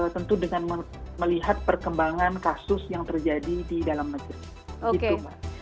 tentu dengan melihat perkembangan kasus yang terjadi di dalam negeri